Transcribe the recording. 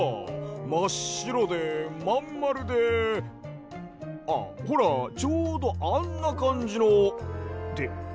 まっしろでまんまるであっほらちょうどあんなかんじのってええ！？